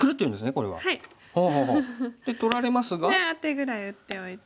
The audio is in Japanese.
これアテぐらい打っておいて。